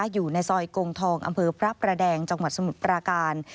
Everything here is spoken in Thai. อยู่ในซอยกงทองอำเภอพระประแดงจังหวัดสมุทรปราการ